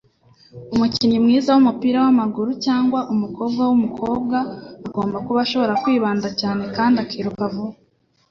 Umukinnyi mwiza wumupira wamaguru cyangwa umukobwa wumukobwa agomba kuba ashobora kwibanda cyane kandi akiruka vuba.